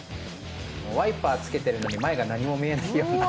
ワイパーつけてるのに前が何も見えないような。